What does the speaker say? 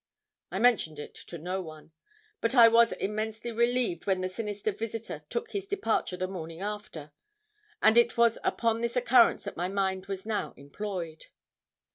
I mentioned it to no one. But I was immensely relieved when the sinister visitor took his departure the morning after, and it was upon this occurrence that my mind was now employed.